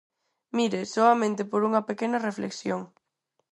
Mire, soamente por unha pequena reflexión.